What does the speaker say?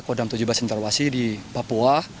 kodam tujuh belas indrawasi di papua